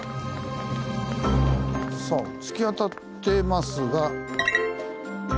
さあ突き当たってますが。